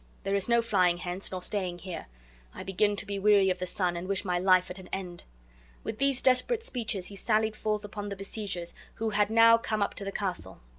There is no flying hence, nor staying here. I begin to be weary of the sun, and wish my life at an end." With these desperate speeches he sallied forth upon the besiegers, who had now come up to the castle.